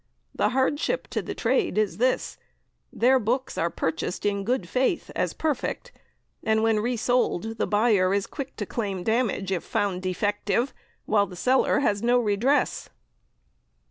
The hardship to the trade is this: their books are purchased in good faith as perfect, and when resold the buyer is quick to claim damage if found defective, while the seller has no redress."